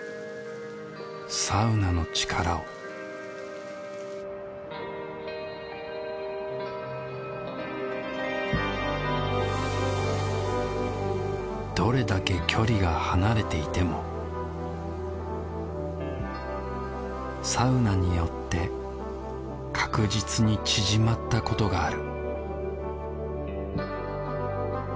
サウナの力をどれだけ距離が離れていてもサウナによって確実に縮まったことがある